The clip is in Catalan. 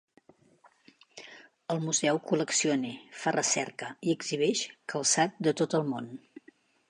El museu col·lecciona, fa recerca i exhibeix calçat de tot el món.